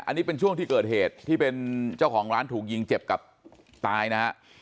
อันนี้เป็นช่วงที่เกิดเหตุที่เป็นเจ้าของร้านถูกยิงเจ็บกับตายนะฮะ